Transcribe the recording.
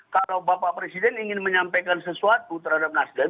kalau bapak presiden ingin menyampaikan sesuatu terhadap nasdem